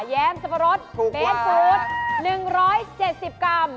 แม้มสับปะรดเบสฟู้ด๑๗๐กรัม